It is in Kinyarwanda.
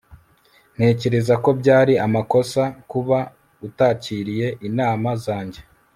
Ntekereza ko byari amakosa kuba utakiriye inama zanjye